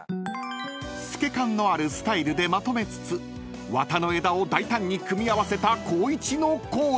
［透け感のあるスタイルでまとめつつ綿の枝を大胆に組み合わせた光一のコーデ］